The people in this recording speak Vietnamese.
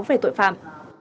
về tội phạm